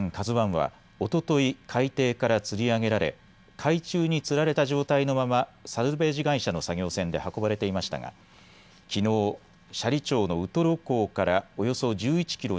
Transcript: ＫＡＺＵＩはおととい海底からつり上げられ海中につられた状態のままサルベージ会社の作業船で運ばれていましたがきのう斜里町のウトロ港からおよそ１１キロ